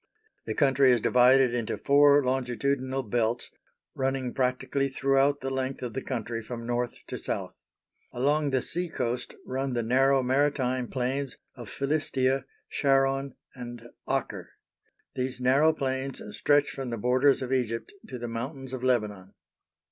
The country is divided into four longitudinal belts running practically throughout the length of the country from North to South. Along the sea coast run the narrow maritime plains of Philistia, Sharon, and Acre. These narrow plains stretch from the borders of Egypt to the mountains of Lebanon.